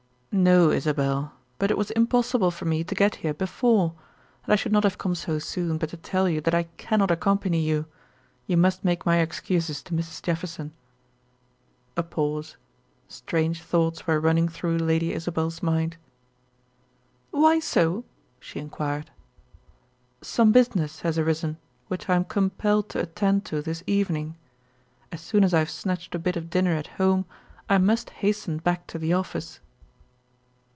"No, Isabel; but it was impossible for me to get here before. And I should not have come so soon, but to tell you that I cannot accompany you. You must make my excuses to Mrs. Jefferson." A pause. Strange thoughts were running through Lady Isabel's mind. "Why so?" she inquired. "Some business has arisen which I am compelled to attend to this evening. As soon as I have snatched a bit of dinner at home I must hasten back to the office."